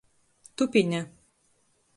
Tupine.